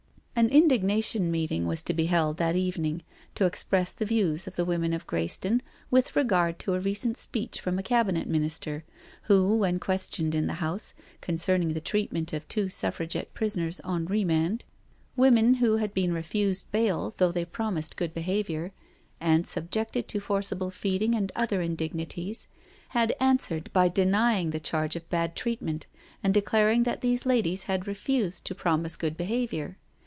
An indignation meeting was to be held that evening to express the views of the women of Greyston with regard to a recent speech from a Cabinet Minister, who when questioned in the House conceminjg the treat ment of two Suffragette prisoners on remand— women 3oa NO SURRENDER who had been refused bail though they promised good behaviour, and subjected to forcible feeding and other indignities — ^had answered by denying the charge of bad treatment, and declaring that these ladies had refused to promise good behaviour.